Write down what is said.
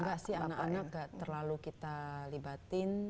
enggak sih anak anak gak terlalu kita libatin